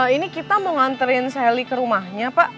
ini kita mau nganterin sally ke rumahnya pak